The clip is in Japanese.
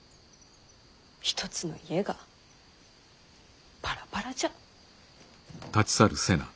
一つの家がバラバラじゃ。